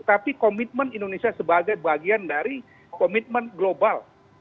tapi komitmen indonesia sebagai bagian dari komitmen global